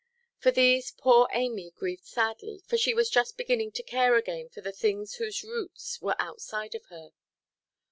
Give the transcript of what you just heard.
For these poor Amy grieved sadly, for she was just beginning to care again for the things whose roots were outside of her.